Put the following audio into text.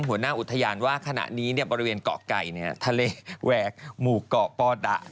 หัวหน้าอุทยานว่าขณะนี้บริเวณเกาะไก่ทะเลแหวกหมู่เกาะปอดะ